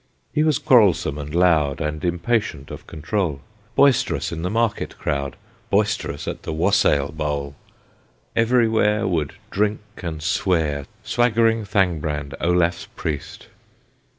He was quarrelsome and loud, And impatient of control, Boisterous in the market crowd, Boisterous at the wassail bowl, Everywhere Would drink and swear, Swaggering Thangbrand, Olaf's Priest.